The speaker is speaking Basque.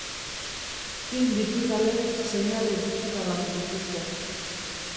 Pin digitalek seinale digitalak dituzte.